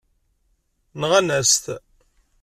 Nɣan-as-t.